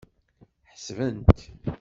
Ḥesbent.